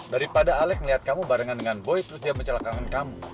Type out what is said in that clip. daripada alek ngeliat kamu barengan dengan boy terus dia mencelakangan kamu